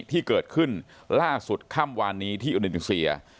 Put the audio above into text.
ที่เกิดขึ้นล่าสุดค่ำวานนี้ที่อินโดนีเซีย